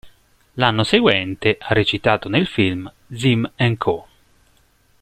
L'anno seguente ha recitato nel film "Zim and Co.